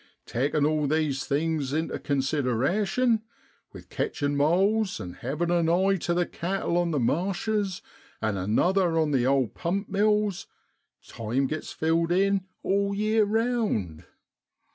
Takin' all these things intu consideration, with catchin' moles, and havin' an eye to the cattle on the marshes, and another on the old pump mills, time gets filled in all yeer round.